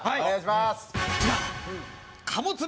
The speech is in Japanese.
こちら！